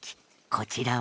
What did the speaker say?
こちらは？